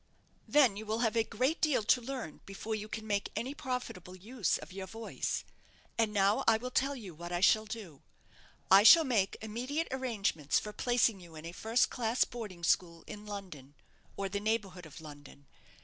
"Then you will have a great deal to learn before you can make any profitable use of your voice. And now I will tell you what I shall do. I shall make immediate arrangements for placing you in a first class boarding school in London, or the neighbourhood of London.